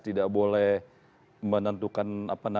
tidak boleh menentukan